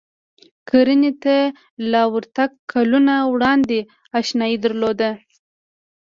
کرنې ته له ورتګ کلونه وړاندې اشنايي درلوده.